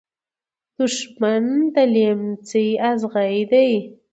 دښمن د لمڅی ازغي دی .